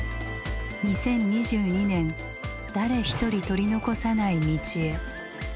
２０２２年「誰一人取り残さない」道へ。